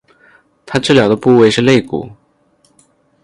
她治疗的部位是肋骨。